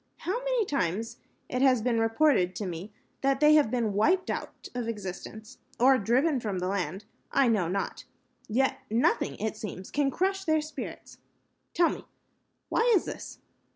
How many times it has been reported to me that they have been wiped out of existence, or driven from the land, I know not. Yet nothing, it seems, can crush their spirit. Tell me, why is this?"